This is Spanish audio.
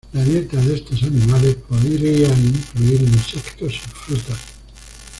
La dieta de estos animales podría incluir insectos y frutas.